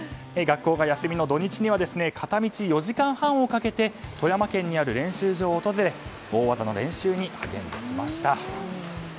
学校が休みの土日には片道４時間半をかけて富山県にある練習場を訪れ大技の練習に励みました。